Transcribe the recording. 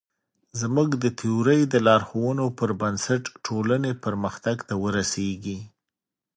زموږ د تیورۍ د لارښوونو پر بنسټ ټولنې پرمختګ ته ورسېږي.